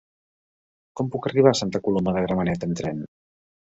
Com puc arribar a Santa Coloma de Gramenet amb tren?